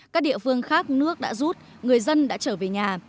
các địa phương khác nước đã rút người dân đã trở về nhà